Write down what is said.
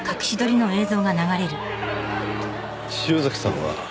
潮崎さんは？